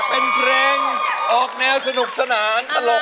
เป็นเพลงออกแนวสนุกสนานตลก